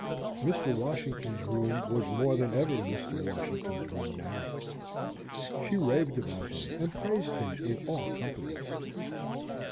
Mr. Washington's room was more than ever Mr. Washington's room now. She raved about him and praised him in all companies.